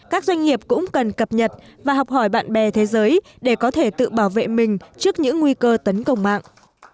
các doanh nghiệp cũng cần cập nhật và học hỏi bạn bè thế giới để có thể tự bảo vệ mình trước những nguy cơ tấn công mạng